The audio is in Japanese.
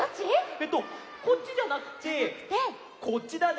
えっとこっちじゃなくてこっちだね！